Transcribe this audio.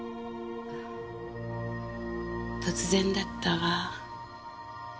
突然だったわ。